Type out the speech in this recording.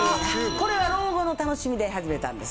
これは老後の楽しみで始めたんです。